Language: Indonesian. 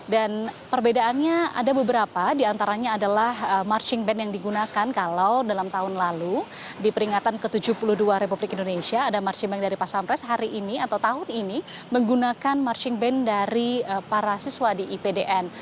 perbedaannya ada beberapa diantaranya adalah marching band yang digunakan kalau dalam tahun lalu di peringatan ke tujuh puluh dua republik indonesia ada marching band dari pas pampres hari ini atau tahun ini menggunakan marching band dari para siswa di ipdn